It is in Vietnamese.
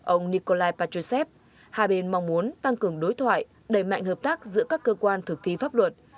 ông nikolai pachusev hai bên mong muốn tăng cường đối thoại đẩy mạnh hợp tác giữa các cơ quan thực thi pháp luật